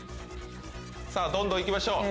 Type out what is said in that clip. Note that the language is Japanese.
どんどん行きましょう。